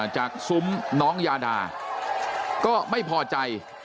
ซุ้มน้องยาดาก็ไม่พอใจ